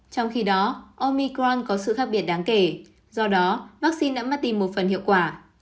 trong khi đó omicron có sự khác biệt đáng kể do đó vaccine đã mất tìm một phần hiệu quả